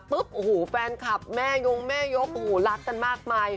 ปุ๊บโอ้โหแฟนคลับแม่ยงแม่ยกโอ้โหรักกันมากมาย